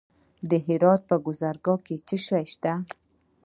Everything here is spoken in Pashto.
د هرات په ګذره کې څه شی شته؟